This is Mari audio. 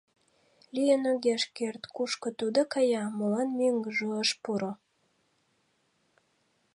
Лийын огеш керт, кушко тудо кая, молан мӧҥгыжӧ ыш пуро?..